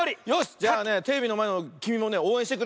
じゃあねテレビのまえのきみもねおうえんしてくれ。